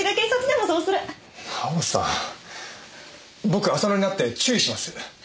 僕浅野に会って注意します！